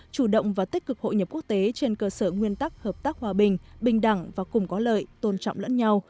chủ động và tích cực hội nhập quốc tế trên cơ sở nguyên tắc hợp tác hòa bình bình đẳng và cùng có lợi tôn trọng lẫn nhau